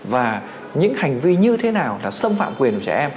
và những hành vi như thế nào là xâm phạm quyền của trẻ em